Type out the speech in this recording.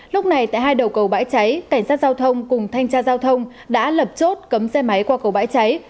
lúc này tại hai đầu cầu bãi cháy cảnh sát giao thông cùng thanh tra giao thông đã lập chốt cấm xe máy qua cầu bãi cháy